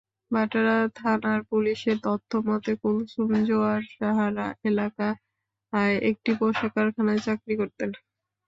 ভাটারা থানার পুলিশের তথ্যমতে, কুলসুম জোয়ারসাহারা এলাকায় একটি পোশাক কারখানায় চাকরি করতেন।